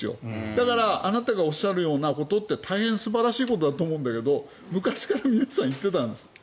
だからあなたがおっしゃるようなことって大変素晴らしいことだと思うんですけど昔から皆さん言っていたんです。